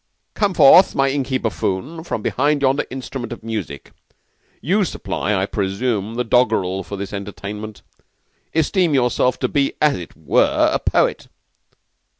"Come forth, my inky buffoon, from behind yonder instrument of music! You supply, I presume, the doggerel for this entertainment. Esteem yourself to be, as it were, a poet?"